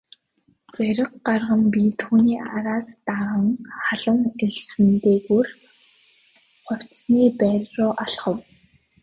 Зориг гарган би түүний араас даган халуун элсэн дээгүүр хувцасны байр руу алхав.